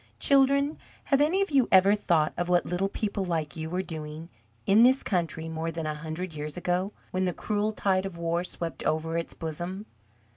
Children, have any of you ever thought of what little people like you were doing in this country more than a hundred years ago, when the cruel tide of war swept over its bosom?